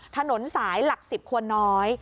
ถนนสายหลัก๑๐ควนน้อย